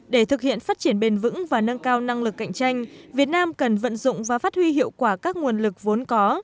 để thực hiện phát triển bền vững và nâng cao năng lực cạnh tranh việt nam cần vận dụng và phát huy hiệu quả các nguồn lực vốn có